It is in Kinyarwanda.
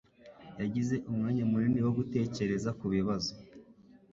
yagize umwanya munini wo gutekereza kubibazo.